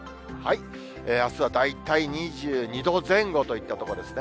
あすは大体２２度前後といったところですね。